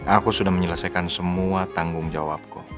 aku sudah menyelesaikan semua tanggung jawabku